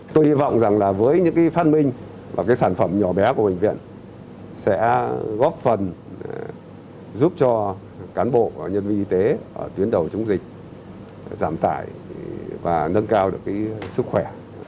tôi hy vọng rằng với những phân minh và sản phẩm nhỏ bé của bệnh viện sẽ góp phần giúp cho cán bộ nhân viên y tế ở tuyến đầu chống dịch giảm tải và nâng cao được sức khỏe